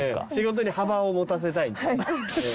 仕事に幅を持たせたい。